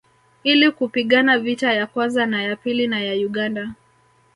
Ili kupigana vita ya kwanza na ya pili na ya Uganda